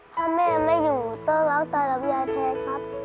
พ่อแม่ไม่อยู่ต้องรักตาดับยายใช่ไหมครับ